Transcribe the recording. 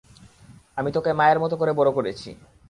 আমি তোকে মায়ের মতো করে বড় করেছি।